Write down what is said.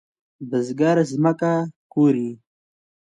بزګر زمکه کوري.